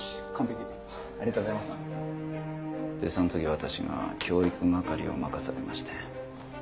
でその時私が教育係を任されまして。